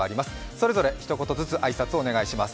それぞれひと言ずつ挨拶をお願いします。